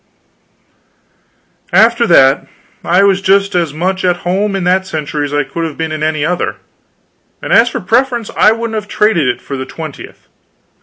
After that, I was just as much at home in that century as I could have been in any other; and as for preference, I wouldn't have traded it for the twentieth.